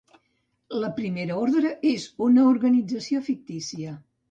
La Primera Ordre és una organització fictícia